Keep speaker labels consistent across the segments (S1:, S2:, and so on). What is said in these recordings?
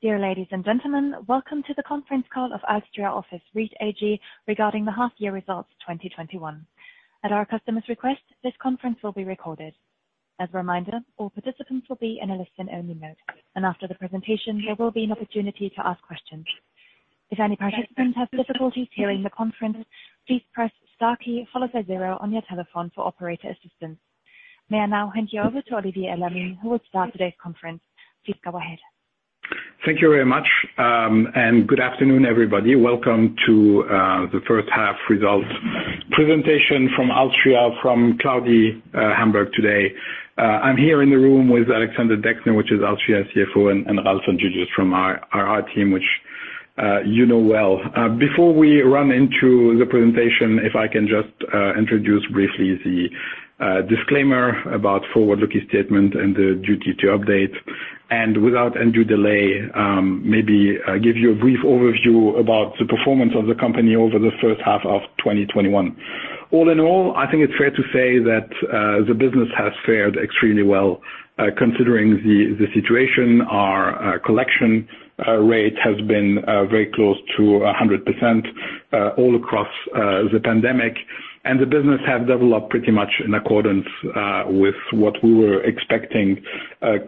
S1: Dear ladies and gentlemen, welcome to the conference call of alstria office REIT-AG regarding the half year results 2021. At our customer's request, this conference will be recorded. As a reminder, all participants will be in a listen only mode and after the presentation, there will be an opportunity to ask questions. If any participants have difficulties hearing the conference, please press star key followed by zero on your telephone for operator assistance. May I now hand you over to Olivier Elamine, who will start today's conference. Please go ahead.
S2: Thank you very much, and good afternoon, everybody. Welcome to the first half result presentation from alstria from cloudy Hamburg today. I'm here in the room with Alexander Dexne, which is alstria CFO, and Ralf and Julius from our team, which you know well. Before we run into the presentation, if I can just introduce briefly the disclaimer about forward-looking statement and the duty to update and without undue delay maybe give you a brief overview about the performance of the company over the first half of 2021. All in all, I think it's fair to say that the business has fared extremely well considering the situation. Our collection rate has been very close to 100% all across the pandemic. The business have developed pretty much in accordance with what we were expecting,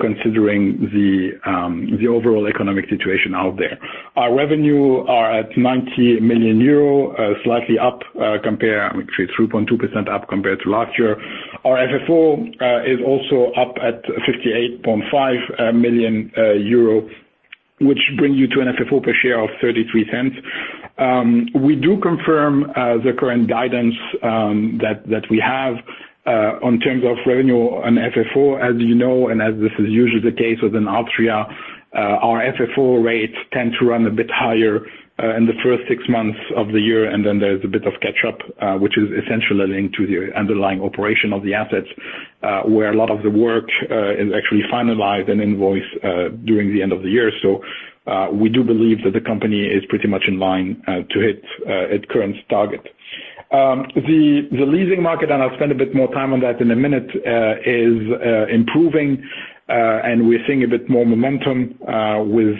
S2: considering the overall economic situation out there. Our revenue are at 90 million euro, slightly up, 3.2% up compared to last year. Our FFO is also up at 58.5 million euro, which bring you to an FFO per share of 0.33. We do confirm the current guidance that we have on terms of revenue and FFO. As you know, and as this is usually the case within alstria, our FFO rates tend to run a bit higher in the first six months of the year. There's a bit of catch up, which is essentially linked to the underlying operation of the assets, where a lot of the work is actually finalized and invoiced during the end of the year. We do believe that the company is pretty much in line to hit its current target. The leasing market, and I'll spend a bit more time on that in a minute, is improving. We're seeing a bit more momentum with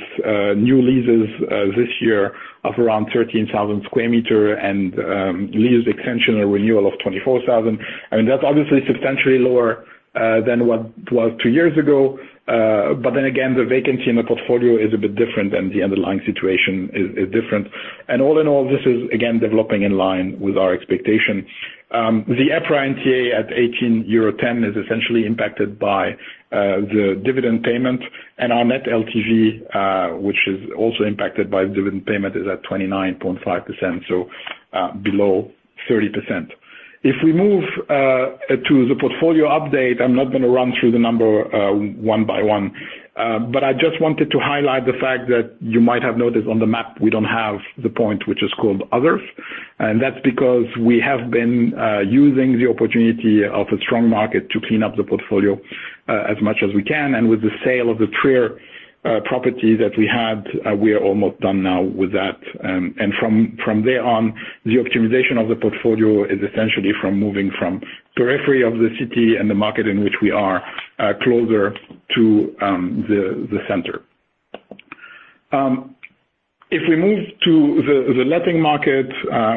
S2: new leases this year of around 13,000 sq m and lease extension or renewal of 24,000 sq m. That's obviously substantially lower than what it was two years ago. The vacancy in the portfolio is a bit different and the underlying situation is different. All in all, this is again, developing in line with our expectation. The EPRA NTA at 18.10 is essentially impacted by the dividend payment and our net LTV, which is also impacted by dividend payment, is at 29.5%, so below 30%. If we move to the portfolio update, I'm not going to run through the number one by one. I just wanted to highlight the fact that you might have noticed on the map, we don't have the point which is called others. That's because we have been using the opportunity of a strong market to clean up the portfolio as much as we can. With the sale of the Trier property that we had, we are almost done now with that. From there on, the optimization of the portfolio is essentially from moving from periphery of the city and the market in which we are closer to the center. If we move to the letting market,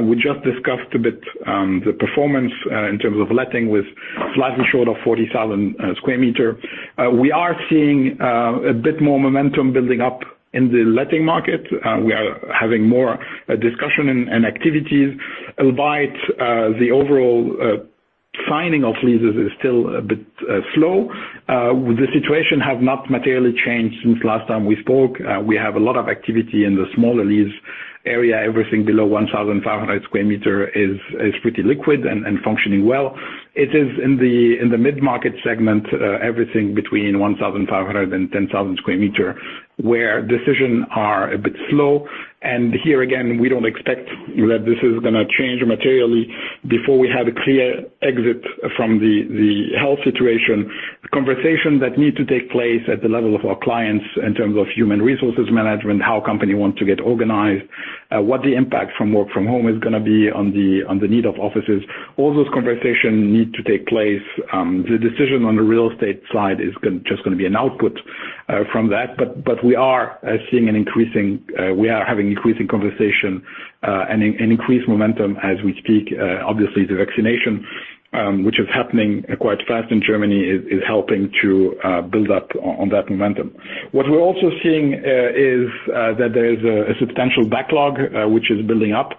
S2: we just discussed a bit the performance in terms of letting with slightly short of 40,000 sq m. We are seeing a bit more momentum building up in the letting market. We are having more discussion and activities, albeit, the overall signing of leases is still a bit slow. The situation have not materially changed since last time we spoke. We have a lot of activity in the smaller lease area. Everything below 1,500 sq m is pretty liquid and functioning well. It is in the mid-market segment, everything between 1,500 and 10,000 sq m, where decisions are a bit slow. Here again, we don't expect that this is going to change materially before we have a clear exit from the health situation. The conversation that need to take place at the level of our clients in terms of human resources management, how company want to get organized, what the impact from work from home is going to be on the need of offices. All those conversation need to take place. The decision on the real estate side is just going to be an output from that. We are having increasing conversation, and increased momentum as we speak. Obviously, the vaccination, which is happening quite fast in Germany, is helping to build up on that momentum. What we're also seeing is that there is a substantial backlog, which is building up.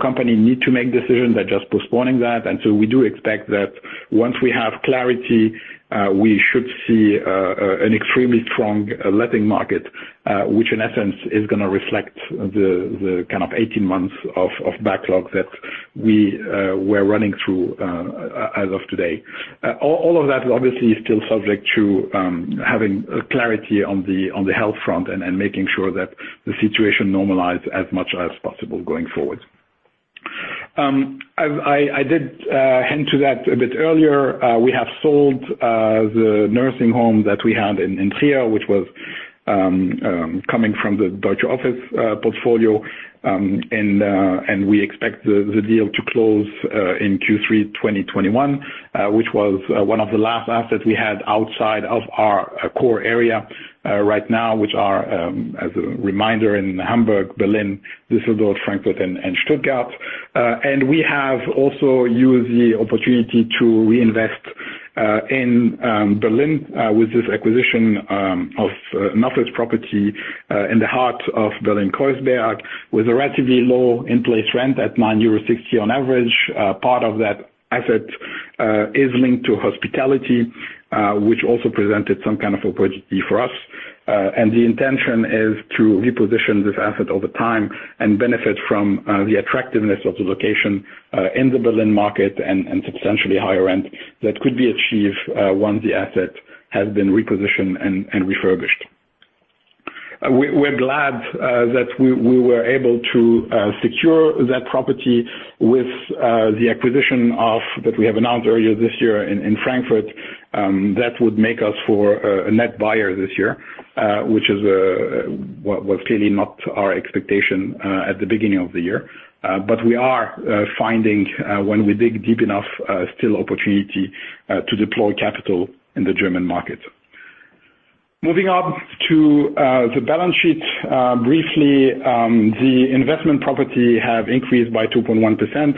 S2: Company need to make decisions. They're just postponing that. We do expect that once we have clarity, we should see an extremely strong letting market, which in essence, is going to reflect the kind of 18 months of backlog that we're running through as of today. All of that obviously is still subject to having clarity on the health front and making sure that the situation normalize as much as possible going forward. I did hint to that a bit earlier. We have sold the nursing home that we had in Trier, which was coming from the Deutsche Office portfolio. We expect the deal to close in Q3 2021. Which was one of the last assets we had outside of our core area right now, which are, as a reminder, in Hamburg, Berlin, Düsseldorf, Frankfurt, and Stuttgart. We have also used the opportunity to reinvest in Berlin with this acquisition of an office property in the heart of Berlin-Kreuzberg, with a relatively low in-place rent at 9.60 euros on average. Part of that asset is linked to hospitality, which also presented some kind of opportunity for us. The intention is to reposition this asset over time and benefit from the attractiveness of the location in the Berlin market and substantially higher rent that could be achieved once the asset has been repositioned and refurbished. We're glad that we were able to secure that property with the acquisition that we have announced earlier this year in Frankfurt. That would make us for a net buyer this year, which was clearly not our expectation at the beginning of the year. We are finding, when we dig deep enough, still opportunity to deploy capital in the German market. Moving on to the balance sheet briefly. The investment property have increased by 2.1%,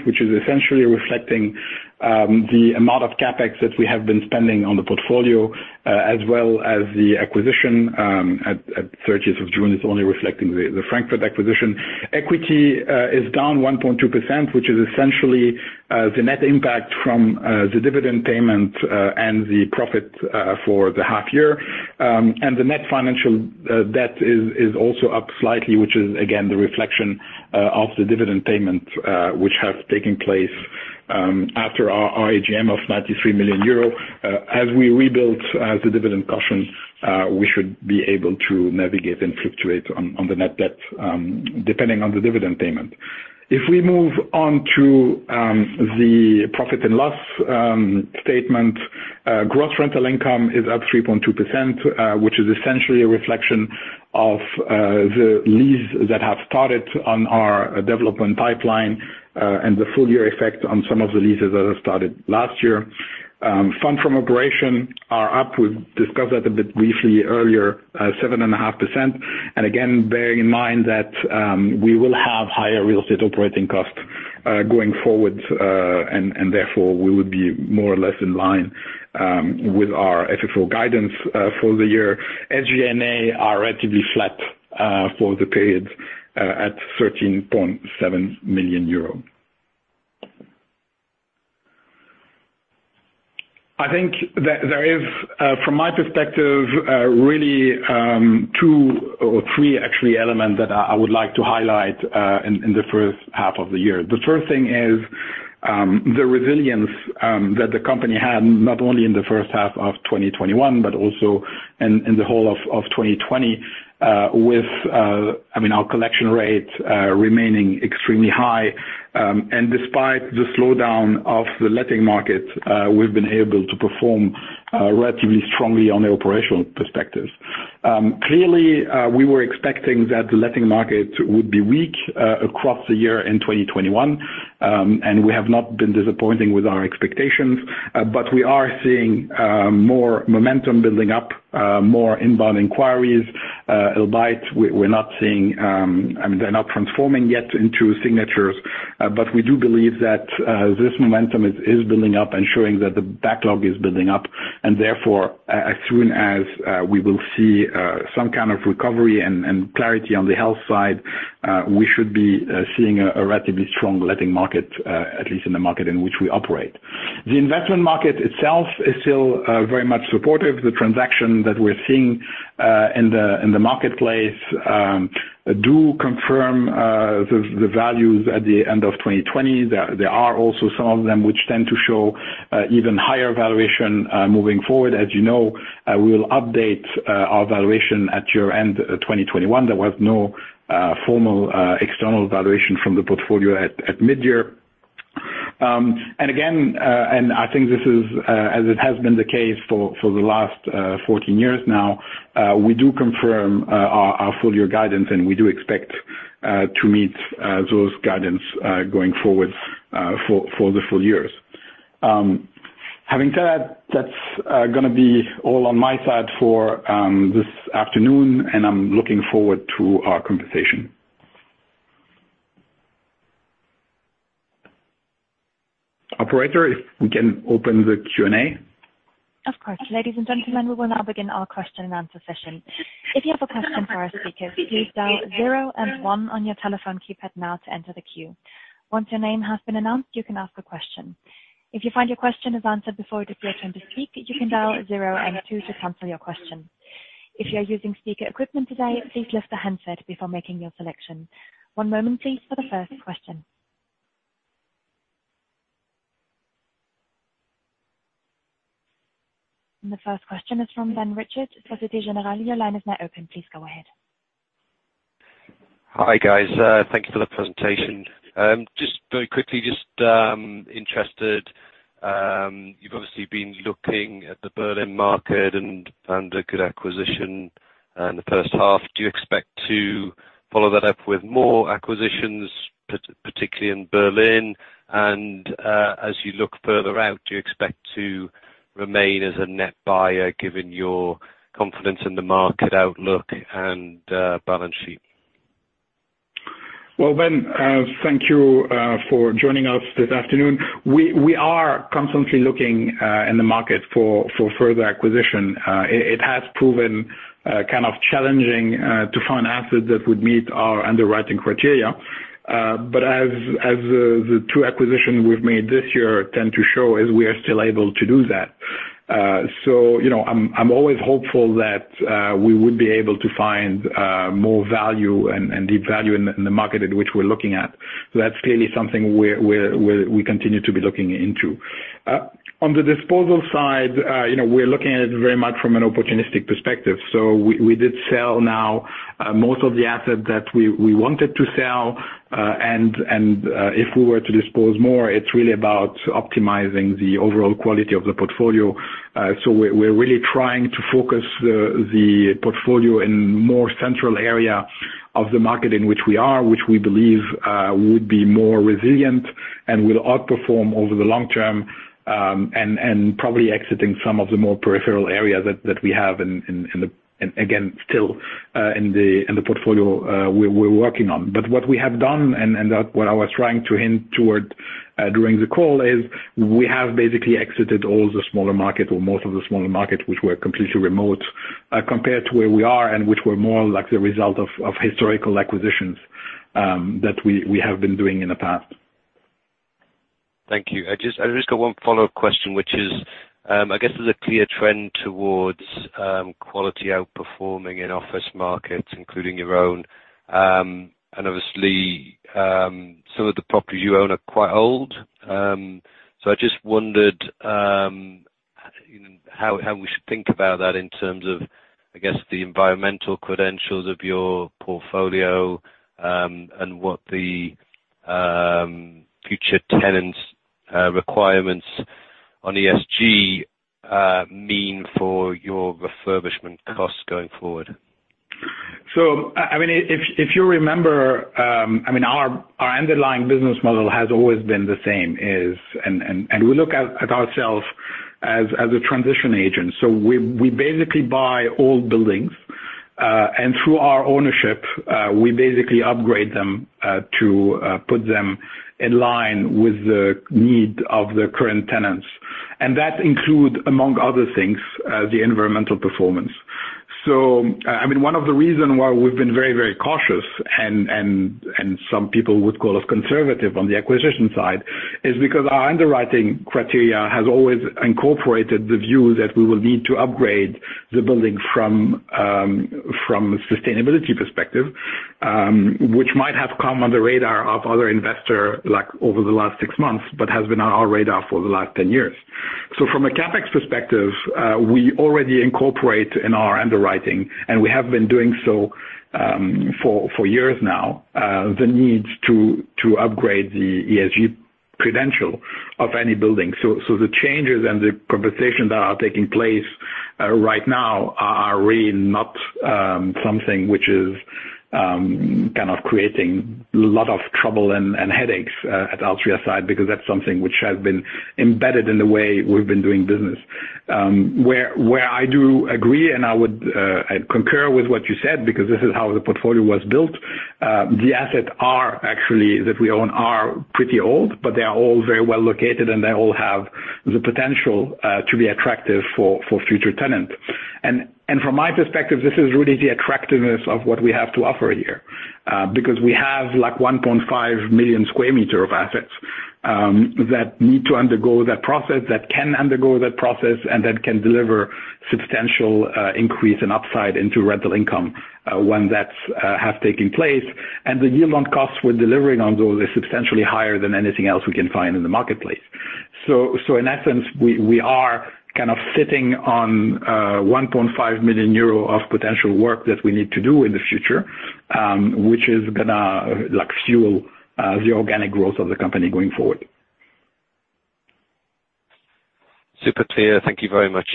S2: which is essentially reflecting the amount of CapEx that we have been spending on the portfolio, as well as the acquisition at 30th of June. It's only reflecting the Frankfurt acquisition. Equity is down 1.2%, which is essentially the net impact from the dividend payment and the profit for the half year. The net financial debt is also up slightly, which is again, the reflection of the dividend payment, which has taken place after our AGM of 93 million euro. As we rebuild the dividend cushion, we should be able to navigate and fluctuate on the net debt, depending on the dividend payment. If we move on to the profit and loss statement. Gross rental income is up 3.2%, which is essentially a reflection of the lease that have started on our development pipeline and the full-year effect on some of the leases that have started last year. Fund from operation are up. We've discussed that a bit briefly earlier, 7.5%. Again, bearing in mind that we will have higher real estate operating costs going forward, and therefore, we would be more or less in line with our FFO guidance for the year. SG&A are relatively flat for the period at 13.7 million euro. I think that there is, from my perspective, really two or three actually element that I would like to highlight in the first half of the year. The first thing is the resilience that the company had, not only in the first half of 2021 but also in the whole of 2020 with our collection rate remaining extremely high. Despite the slowdown of the letting market, we've been able to perform relatively strongly on the operational perspective. Clearly, we were expecting that the letting market would be weak across the year in 2021, and we have not been disappointing with our expectations. We are seeing more momentum building up, more inbound inquiries, albeit they're not transforming yet into signatures. We do believe that this momentum is building up and showing that the backlog is building up, and therefore, as soon as we will see some kind of recovery and clarity on the health side, we should be seeing a relatively strong letting market, at least in the market in which we operate. The investment market itself is still very much supportive. The transaction that we're seeing in the marketplace do confirm the values at the end of 2020. There are also some of them which tend to show even higher valuation moving forward. As you know, we will update our valuation at year-end 2021. There was no formal external valuation from the portfolio at mid-year. Again, I think this is as it has been the case for the last 14 years now, we do confirm our full-year guidance, and we do expect to meet those guidance going forward for the full year. Having said, that's going to be all on my side for this afternoon, and I'm looking forward to our conversation. Operator, if we can open the Q&A.
S1: Of course. Ladies and gentlemen, we will now begin our question and answer session. If you have a question for our speakers, please dial zero and one on your telephone keypad now to enter the queue. Once your name has been announced, you can ask a question. If you find your question is answered before it is your turn to speak, you can dial zero and two to cancel your question. If you are using speaker equipment today, please lift the handset before making your selection. One moment please, for the first question. The first question is from Ben Richford, Societe Generale. Your line is now open. Please go ahead.
S3: Hi guys. Thank you for the presentation. Just very quickly, just interested. You've obviously been looking at the Berlin market and found a good acquisition in the first half. Do you expect to follow that up with more acquisitions, particularly in Berlin? As you look further out, do you expect to remain as a net buyer, given your confidence in the market outlook and balance sheet?
S2: Well, Ben, thank you for joining us this afternoon. We are constantly looking in the market for further acquisition. It has proven kind of challenging to find assets that would meet our underwriting criteria. As the two acquisitions we've made this year tend to show, is we are still able to do that. I'm always hopeful that we would be able to find more value and deep value in the market at which we're looking at. That's clearly something we continue to be looking into. On the disposal side, we're looking at it very much from an opportunistic perspective. We did sell now most of the assets that we wanted to sell. If we were to dispose more, it's really about optimizing the overall quality of the portfolio. We're really trying to focus the portfolio in more central area of the market in which we are, which we believe would be more resilient and will outperform over the long term. Probably exiting some of the more peripheral areas that we have, again, still in the portfolio we're working on. What we have done and what I was trying to hint toward during the call is we have basically exited all the smaller market, or most of the smaller markets, which were completely remote, compared to where we are and which were more like the result of historical acquisitions that we have been doing in the past.
S3: Thank you. I just got one follow-up question, which is I guess there's a clear trend towards quality outperforming in office markets, including your own. Obviously, some of the properties you own are quite old. I just wondered how we should think about that in terms of, I guess, the environmental credentials of your portfolio. What the future tenants' requirements on ESG mean for your refurbishment costs going forward.
S2: If you remember our underlying business model has always been the same. We look at ourselves as a transition agent. We basically buy old buildings. Through our ownership, we basically upgrade them to put them in line with the need of the current tenants. That includes, among other things, the environmental performance. One of the reason why we've been very, very cautious and some people would call us conservative on the acquisition side, is because our underwriting criteria has always incorporated the view that we will need to upgrade the building from a sustainability perspective. Which might have come on the radar of other investor, like over the last six months, but has been on our radar for the last 10 years. From a CapEx perspective, we already incorporate in our underwriting, and we have been doing so for years now, the need to upgrade the ESG credential of any building. The changes and the conversations that are taking place right now are really not something which is kind of creating lot of trouble and headaches at alstria's side, because that's something which has been embedded in the way we've been doing business. Where I do agree, and I would concur with what you said, because this is how the portfolio was built. The assets are actually, that we own, are pretty old, but they are all very well located, and they all have the potential to be attractive for future tenants. From my perspective, this is really the attractiveness of what we have to offer here. We have 1.5 million sq m of assets that need to undergo that process, that can undergo that process, and that can deliver substantial increase and upside into rental income when that have taken place. The yield on costs we're delivering on those is substantially higher than anything else we can find in the marketplace. In essence, we are kind of sitting on 1.5 million euro of potential work that we need to do in the future, which is going to fuel the organic growth of the company going forward.
S3: Super clear. Thank you very much.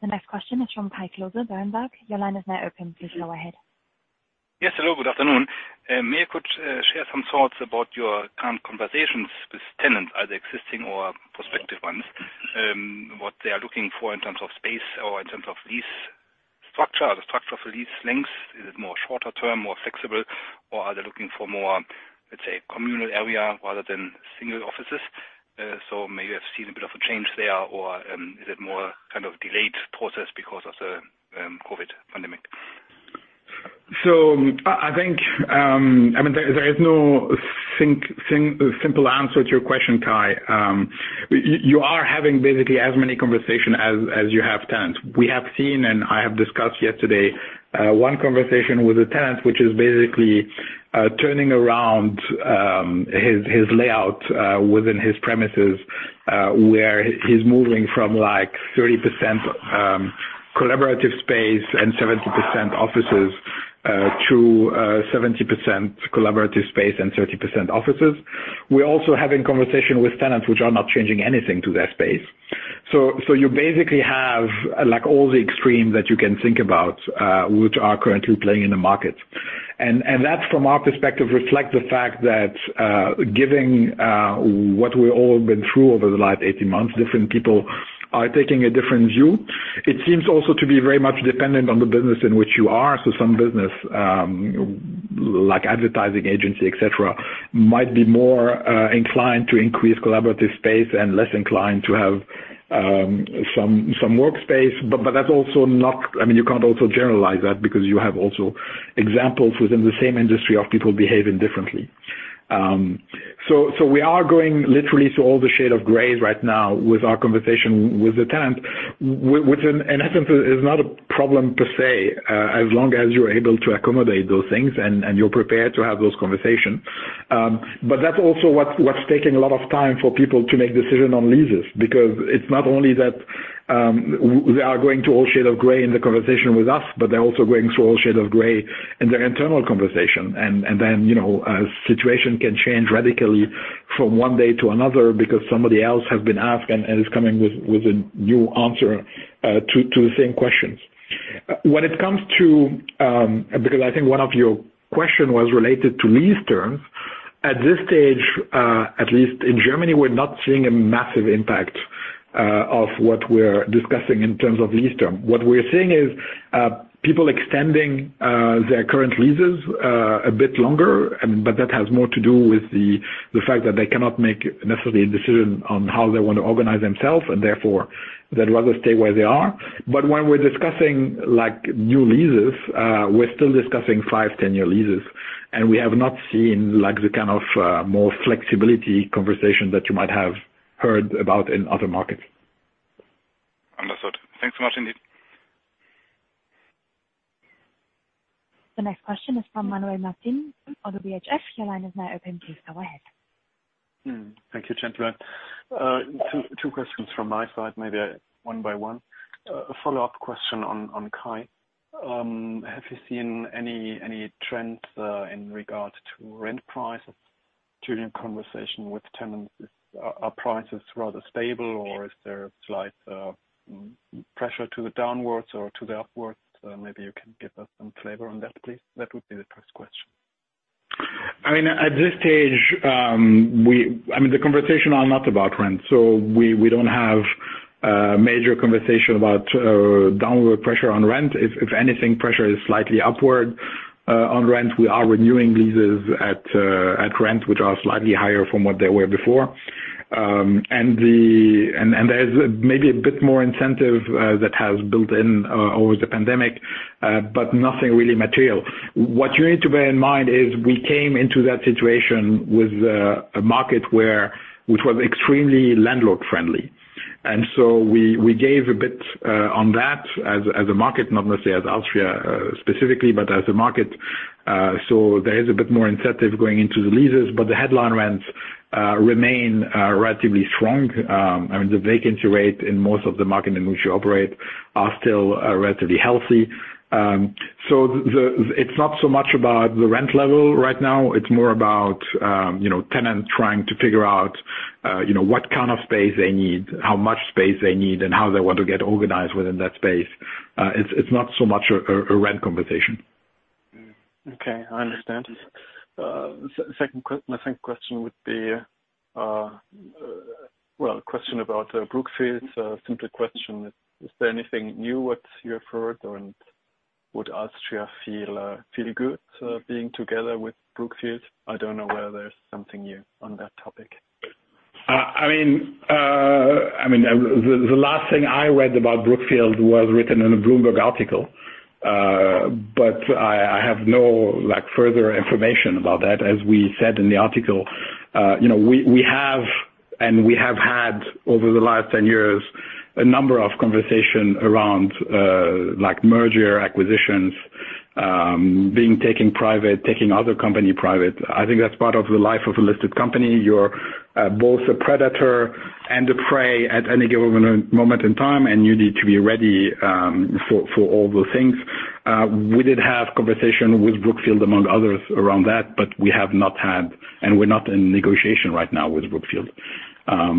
S1: The next question is from Kai Klose, Berenberg. Your line is now open, please go ahead.
S4: Yes. Hello, good afternoon. Maybe you could share some thoughts about your current conversations with tenants, either existing or prospective ones. What they are looking for in terms of space or in terms of lease structure or the structure of lease lengths. Is it more shorter term, more flexible, or are they looking for more, let's say, communal area rather than single offices? Maybe you have seen a bit of a change there or is it more kind of delayed process because of the COVID pandemic?
S2: I think there is no simple answer to your question, Kai. You are having basically as many conversation as you have tenants. We have seen, and I have discussed yesterday, one conversation with a tenant, which is basically turning around his layout within his premises, where it is moving from 30% collaborative space and 70% offices to 70% collaborative space and 30% offices. We're also having conversation with tenants which are not changing anything to their space. You basically have all the extremes that you can think about, which are currently playing in the market. That, from our perspective, reflects the fact that given what we've all been through over the last 18 months, different people are taking a different view. It seems also to be very much dependent on the business in which you are. Some business, like advertising agency, et cetera, might be more inclined to increase collaborative space and less inclined to have some workspace. You can't also generalize that because you have also examples within the same industry of people behaving differently. We are going literally through all the shade of gray right now with our conversation with the tenants. Which in essence is not a problem per se, as long as you're able to accommodate those things and you're prepared to have those conversations. That's also what's taking a lot of time for people to make decision on leases. Because it's not only that they are going through all shade of gray in the conversation with us, but they're also going through all shade of gray in their internal conversation. Situation can change radically from one day to another because somebody else has been asked and is coming with a new answer to the same questions. I think one of your questions was related to lease terms. At this stage, at least in Germany, we're not seeing a massive impact of what we're discussing in terms of lease term. What we're seeing is people extending their current leases a bit longer. That has more to do with the fact that they cannot make necessarily a decision on how they want to organize themselves, and therefore they'd rather stay where they are. When we're discussing new leases, we're still discussing 5-10 year leases. We have not seen the kind of more flexibility conversation that you might have heard about in other markets.
S4: Understood. Thanks so much, indeed.
S1: The next question is from Manuel Martin of the BHF. Your line is now open. Please go ahead.
S5: Thank you, gentlemen. two questions from my side, maybe one by one. A follow-up question on Kai. Have you seen any trends in regard to rent prices during your conversation with tenants? Are prices rather stable or is there a slight pressure to the downwards or to the upwards? Maybe you can give us some flavor on that, please. That would be the first question.
S2: At this stage, the conversations are not about rent. We don't have major conversation about downward pressure on rent. If anything, pressure is slightly upward on rent. We are renewing leases at rent, which are slightly higher from what they were before. There is maybe a bit more incentive that has built in over the pandemic, but nothing really material. What you need to bear in mind is we came into that situation with a market which was extremely landlord-friendly. We gave a bit on that as a market, not necessarily as alstria specifically, but as a market. There is a bit more incentive going into the leases, but the headline rents remain relatively strong. The vacancy rate in most of the markets in which we operate are still relatively healthy. It's not so much about the rent level right now. It's more about tenants trying to figure out what kind of space they need, how much space they need, and how they want to get organized within that space. It's not so much a rent conversation.
S5: Okay, I understand. My second question would be, well, a question about Brookfield. A simple question. Is there anything new what you have heard, and would alstria feel good being together with Brookfield? I don't know whether there's something new on that topic.
S2: I have no further information about that. As we said in the article, we have and we have had over the last 10 years, a number of conversation around merger, acquisitions, being taken private, taking other company private. I think that's part of the life of a listed company. You're both a predator and a prey at any given moment in time, and you need to be ready for all those things. We did have conversation with Brookfield, among others, around that, but we have not had, and we're not in negotiation right now with Brookfield. I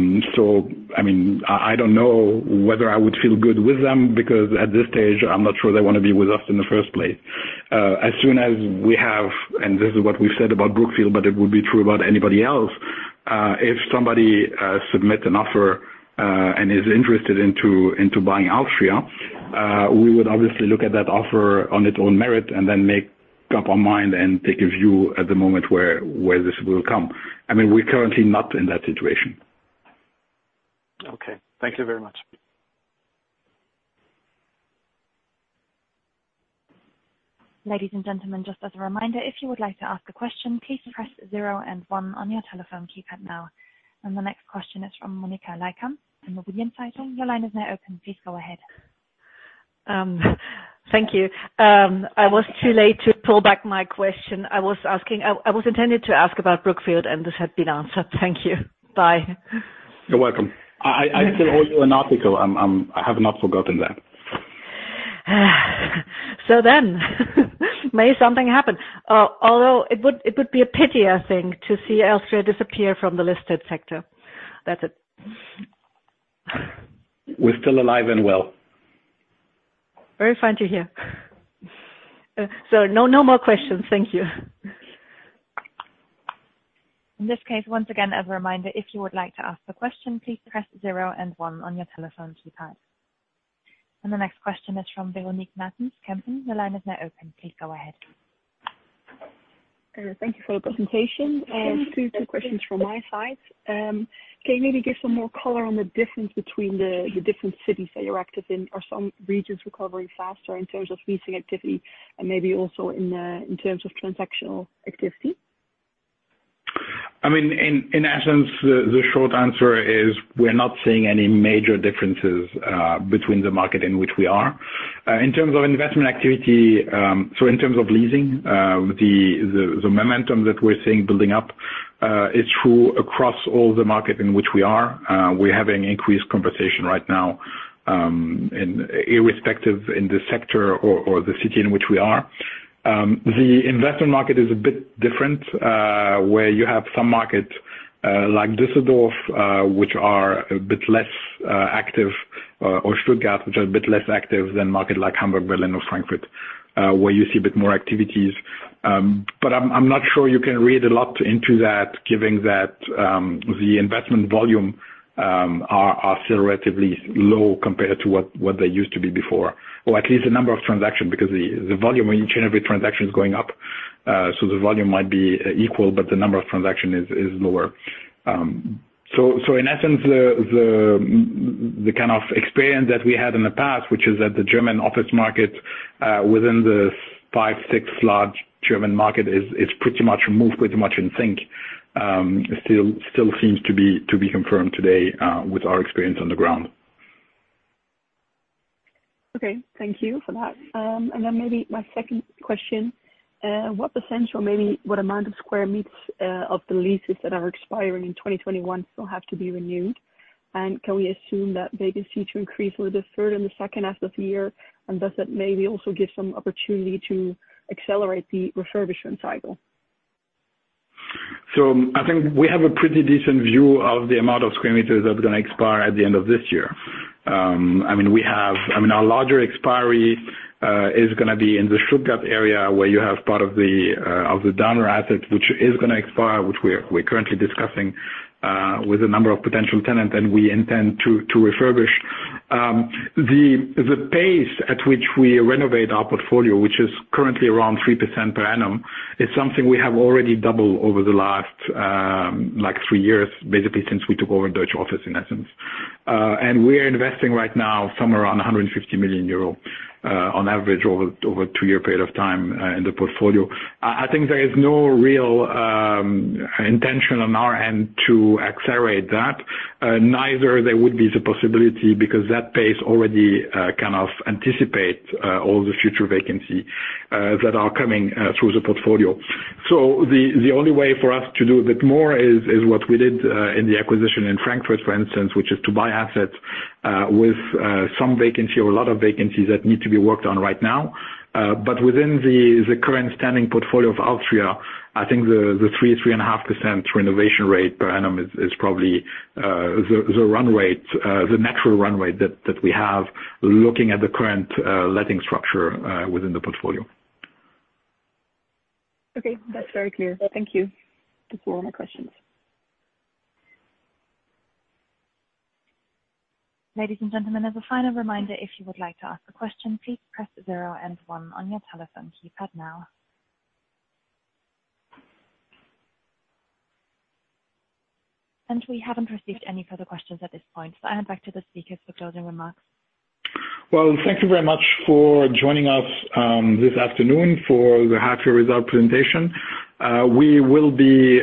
S2: don't know whether I would feel good with them because at this stage, I'm not sure they want to be with us in the first place. As soon as we have, this is what we've said about Brookfield, but it would be true about anybody else. If somebody submits an offer and is interested into buying alstria, we would obviously look at that offer on its own merit and then make up our mind and take a view at the moment where this will come. We're currently not in that situation.
S5: Okay. Thank you very much.
S1: Ladies and gentlemen, just as a reminder, if you would like to ask a question, please press zero and one on your telephone keypad now. The next question is from Monika Leykam from Immobilien Zeitung. Your line is now open. Please go ahead.
S6: Thank you. I was too late to pull back my question. I was intended to ask about Brookfield and this had been answered. Thank you. Bye.
S2: You're welcome. I still owe you an article. I have not forgotten that.
S6: May something happen. Although it would be a pity, I think, to see alstria disappear from the listed sector. That's it.
S2: We're still alive and well.
S6: Very fine to hear. No more questions. Thank you.
S1: In this case, once again, as a reminder, if you would like to ask a question, please press zero and one on your telephone keypad. The next question is from Véronique Meertens, Kempen. Your line is now open. Please go ahead.
S7: Thank you for the presentation. Two questions from my side. Can you maybe give some more color on the difference between the different cities that you're active in? Are some regions recovering faster in terms of leasing activity and maybe also in terms of transactional activity?
S2: In essence, the short answer is we're not seeing any major differences between the market in which we are. In terms of investment activity, so in terms of leasing, the momentum that we're seeing building up is true across all the markets in which we are. We're having increased conversation right now, irrespective in the sector or the city in which we are. The investment market is a bit different, where you have some markets like Düsseldorf, which are a bit less active, or Stuttgart, which are a bit less active than market like Hamburg, Berlin or Frankfurt, where you see a bit more activities. I'm not sure you can read a lot into that given that the investment volume are still relatively low compared to what they used to be before. At least the number of transactions, because the volume in each transaction is going up. The volume might be equal, but the number of transactions is lower. In essence, the kind of experience that we had in the past, which is at the German office market, within the five to six large German market is pretty much moved pretty much in sync. Still seems to be confirmed today with our experience on the ground.
S7: Okay. Thank you for that. Maybe my second question, what percent or maybe what amount of square meters of the leases that are expiring in 2021 still have to be renewed? Can we assume that vacancy to increase over the 3rd and the 2nd half of the year, does that maybe also give some opportunity to accelerate the refurbishment cycle?
S2: I think we have a pretty decent view of the amount of square meters that are going to expire at the end of this year. Our larger expiry is going to be in the Stuttgart area where you have part of the donor asset, which is going to expire, which we're currently discussing with a number of potential tenants, and we intend to refurbish. The pace at which we renovate our portfolio, which is currently around 3% per annum, is something we have already doubled over the last three years, basically since we took over Deutsche Office, in essence. We're investing right now somewhere around 150 million euro on average over a two year period of time in the portfolio. I think there is no real intention on our end to accelerate that. Neither there would be the possibility because that pace already kind of anticipate all the future vacancy that are coming through the portfolio. The only way for us to do a bit more is what we did in the acquisition in Frankfurt, for instance, which is to buy assets with some vacancy or a lot of vacancies that need to be worked on right now. Within the current standing portfolio of alstria, I think the 3%-3.5% renovation rate per annum is probably the natural runway that we have looking at the current letting structure within the portfolio.
S7: Okay. That's very clear. Thank you. Those were all my questions.
S1: Ladies and gentlemen, as a final reminder, if you would like to ask a question, please press zero and one on your telephone keypad now. We haven't received any further questions at this point, so I hand back to the speakers for closing remarks.
S2: Well, thank you very much for joining us this afternoon for the half year result presentation. We will be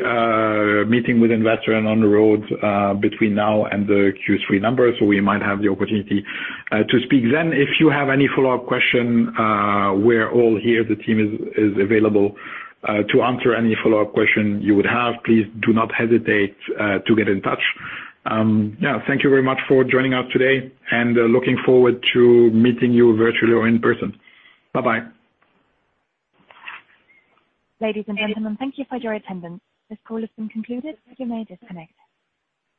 S2: meeting with investor and on the road between now and the Q3 numbers. We might have the opportunity to speak then. If you have any follow-up question, we're all here. The team is available to answer any follow-up question you would have. Please do not hesitate to get in touch. Thank you very much for joining us today, and looking forward to meeting you virtually or in person. Bye-bye.
S1: Ladies and gentlemen, thank you for your attendance. This call has been concluded. You may disconnect.